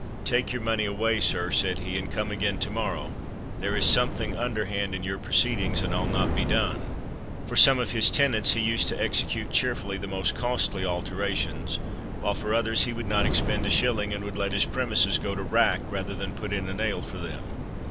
"Take your money away, sir," said he, "and come again to morrow; there is something underhand in your proceedings, and I'll not be done." For some of his tenants he used to execute cheerfully the most costly alterations, while for others he would not expend a shilling, and would let his premises go to rack, rather than put in a nail for them.